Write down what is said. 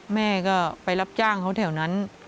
แม่ก็ไปรับจ้างเขาแถวนั้น